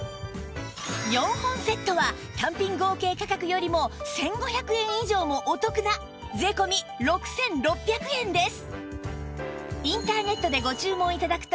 ４本セットは単品合計価格よりも１５００円以上もお得な税込６６００円です